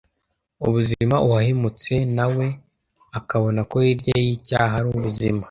ubuzima, uwahemutse nawe akabona ko hirya y’icyaha hari ubuzima